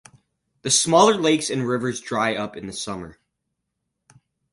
The smaller lakes and rivers dry up in the summer.